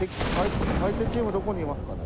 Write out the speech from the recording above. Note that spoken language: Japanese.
相手チームどこにいますかね？